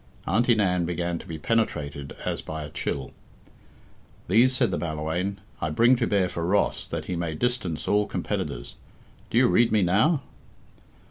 Auntie Nan began to be penetrated as by a chill. "These," said the Ballawhaine, "I bring to bear for Ross, that he may distance all competitors. Do you read me now?"